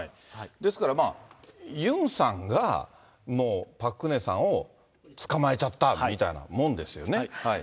ですから、ユンさんがもうパク・クネさんを捕まえちゃったみたいなもんです